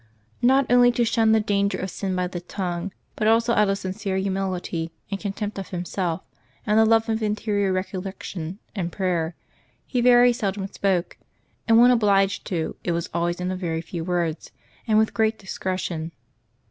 Not only to shun the danger of sin by the tongue, but also out of sincere humility and con tempt of himself, and the love of interior recollection and prayer, he very seldom spoke ; and when obliged to, it was always in a very few words, and with great discretion.